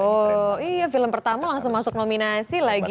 oh iya film pertama langsung masuk nominasi lagi